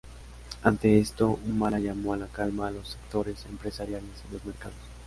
Ante esto, Humala llamó a la calma a los sectores empresariales y los mercados.